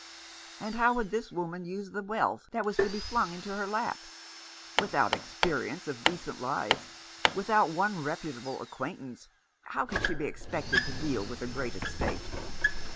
And how would this woman use the wealth that was to be flung into her lap ? Without experience of decent life, without one reputable acquaintance, how could she be expected to deal with a great estate